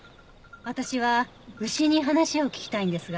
私は牛に話を聞きたいんですが。